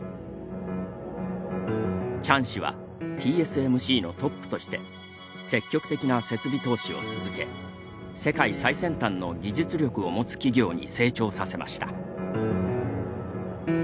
チャン氏はＴＳＭＣのトップとして積極的な設備投資を続け世界最先端の技術力を持つ企業に成長させました。